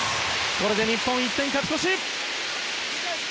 これで日本、１点勝ち越し！